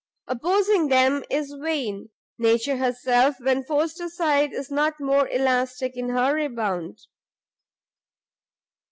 Opposing them is vain; Nature herself, when forced aside, is not more elastic in her rebound."